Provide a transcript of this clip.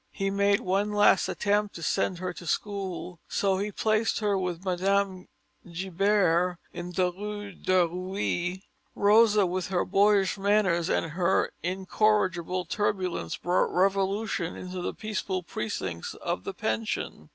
He made one last attempt to send her to school; so he placed her with Mme. Gibert in the Rue de Reuilly. Rosa with her boyish manners and her incorrigible turbulence brought revolution into the peaceful precincts of the pension.